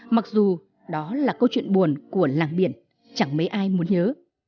mặc dù đó là câu chuyện buồn của làng biển chẳng mấy ai muốn nhớ